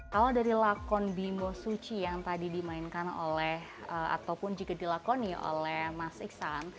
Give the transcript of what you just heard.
kalau dari lakon bimo suci yang tadi dimainkan oleh ataupun jika dilakoni oleh mas iksan